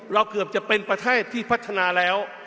เกือบจะเป็นประเทศที่พัฒนาแล้ว